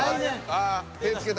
ああ手つけた。